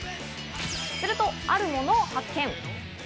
すると、あるものを発見。